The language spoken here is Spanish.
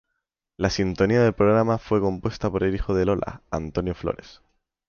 La sintonía del programa fue compuesta por el hijo de Lola, Antonio Flores.